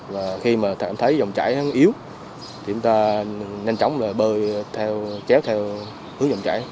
và khi mà thấy dòng trải yếu thì chúng ta nhanh chóng là bơi chéo theo hướng dòng trải